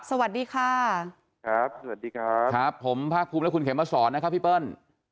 สวัสดีค่ะครับสวัสดีครับครับผมภาคภูมิและคุณเขมมาสอนนะครับพี่เปิ้ล